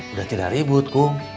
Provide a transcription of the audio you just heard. udah tidak ribut kum